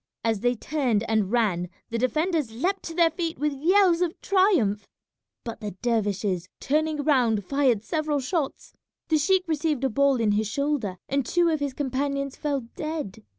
As they turned and ran the defenders leapt to their feet with yells of triumph; but the dervishes, turning round, fired several shots. The sheik received a ball in his shoulder and two of his companions fell dead.